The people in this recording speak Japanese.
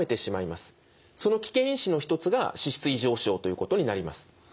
その危険因子の一つが脂質異常症ということになります。